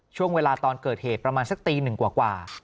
ช่วงเวลาตอนเกิดเหตุประมาณสักตีหนึ่งกว่า